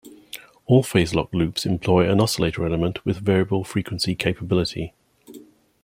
All phase-locked loops employ an oscillator element with variable frequency capability.